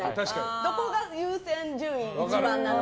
どこが優先順位で一番なのか。